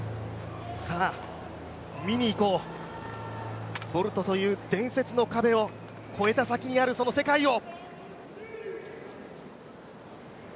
さあ、見に行こう、ボルトという伝説の壁を越えた先にあるその世界を。